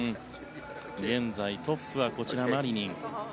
現在トップはマリニン。